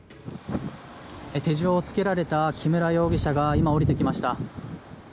手錠をつけられた木村容疑者が今、降りてきました。